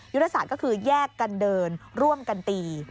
ยุทธศาสตร์ก็คือแยกกันเดินร่วมกันตี